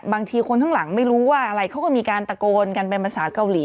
บางทีคนข้างหลังไม่รู้ว่าอะไรเขาก็มีการตะโกนกันเป็นภาษาเกาหลี